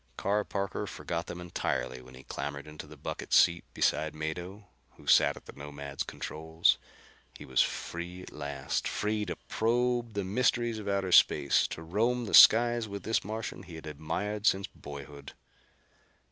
Carr Parker forgot them entirely when he clambered into the bucket seat beside Mado, who sat at the Nomad's controls. He was free at last: free to probe the mysteries of outer space, to roam the skies with this Martian he had admired since boyhood.